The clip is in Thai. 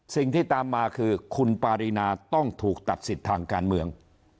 สิ่งที่ตามมาคือคุณปารีนาต้องถูกตัดสิทธิ์ทางการเมือง